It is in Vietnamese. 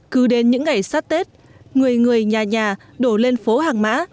cứ đến những ngày sát tết người người nhà nhà đổ lên phố hàng mã